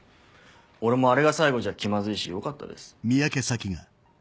俺もあれが最後じゃ気まずいしよかったです。